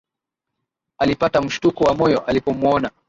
Alipata mshtuko wa moyo alipomwona